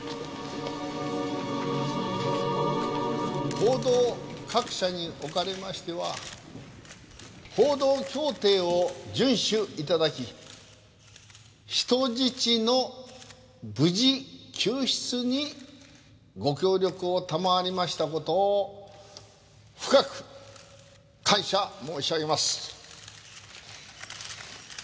「報道各社におかれましては報道協定を遵守頂き人質の無事救出にご協力を賜りました事を深く感謝申し上げます」